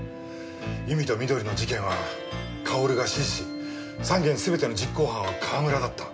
由美と美登里の事件はかおるが指示３件全ての実行犯は川村だった。